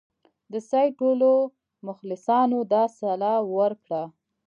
د سید ټولو مخلصانو دا سلا ورکړه.